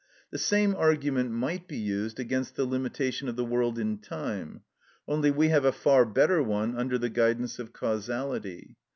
The same argument might be used against the limitation of the world in time, only we have a far better one under the guidance of causality.